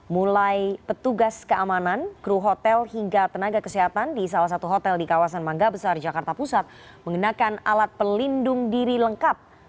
mulai petugas keamanan kru hotel hingga tenaga kesehatan di salah satu hotel di kawasan mangga besar jakarta pusat mengenakan alat pelindung diri lengkap